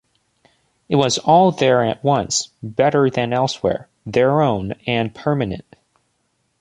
It was all there at once, better than elsewhere, their own, and permanent.